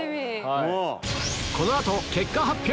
この後結果発表！